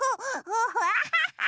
アハハハ！